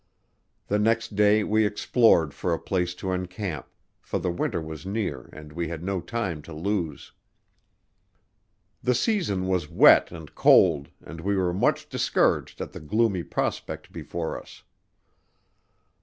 The next day we explored for a place to encamp, for the winter was near and we had no time to lose. The season was wet and cold, and we were much discouraged at the gloomy prospect before us.